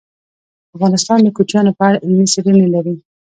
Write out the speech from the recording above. افغانستان د کوچیانو په اړه علمي څېړنې لري.